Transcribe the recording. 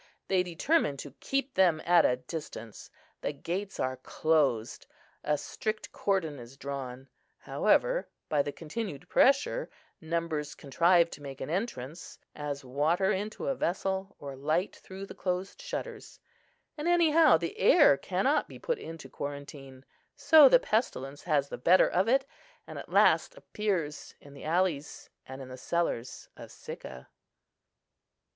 They determine to keep them at a distance; the gates are closed; a strict cordon is drawn; however, by the continued pressure, numbers contrive to make an entrance, as water into a vessel, or light through the closed shutters, and anyhow the air cannot be put into quarantine; so the pestilence has the better of it, and at last appears in the alleys, and in the cellars of Sicca.